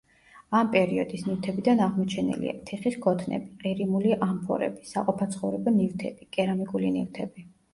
ამ პერიოდის ნივთებიდან აღმოჩენილია: თიხის ქოთნები, ყირიმული ამფორები, საყოფაცხოვრებო ნივთები, კერამიკული ნივთები.